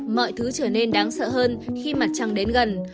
mọi thứ trở nên đáng sợ hơn khi mặt trăng đến gần